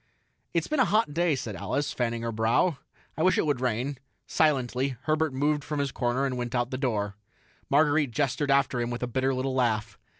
"It's been a hot day," said Alice, fanning her brow. "I wish it would rain." Silently, Herbert moved from his corner and went out the door. Marguerite gestured after him with a bitter little laugh.